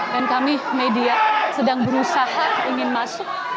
dan kami media sedang berusaha ingin masuk